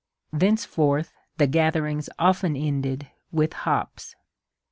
" Thenceforth the gather ings often ended with '' hops."